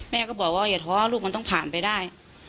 แม่ก็บอกว่าอย่าท้อลูกมันต้องผ่านไปได้